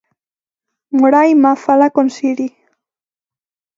Moraima fala con Siri.